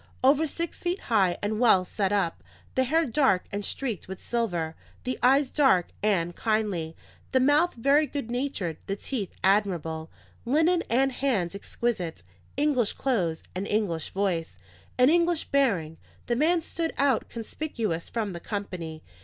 Over six feet high and well set up, the hair dark and streaked with silver, the eyes dark and kindly, the mouth very good natured, the teeth admirable; linen and hands exquisite; English clothes, an English voice, an English bearing: the man stood out conspicuous from the company.